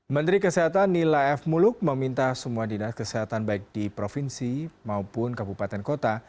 menteri kesehatan nila f muluk meminta semua dinas kesehatan baik di provinsi maupun kabupaten kota